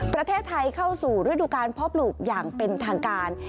ประเทศไทยเข้าสู่ฤดูการเพาะปลูกอย่างเป็นทางการ